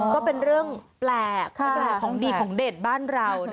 ก็เป็นเรื่องแปลกแปลกของดีของเด็ดบ้านเรา